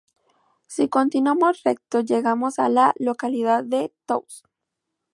Si continuamos recto llegamos a la localidad de Tous.